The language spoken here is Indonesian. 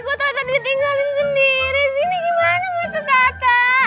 kok tata ditinggalin sendiri gimana mata tata